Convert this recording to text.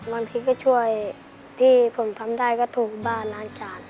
บางทีก็ช่วยที่ผมทำได้ก็ถูกบ้านล้างจาน